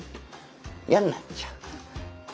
嫌になっちゃう。